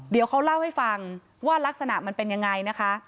เดี๋ยวเขาเล่าให้ฟังว่ารักษณะมันเป็นยังไงนะคะ